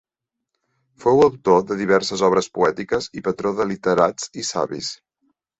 Fou autor de diverses obres poètiques i patró de literats i savis.